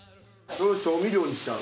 そう調味料にしちゃう。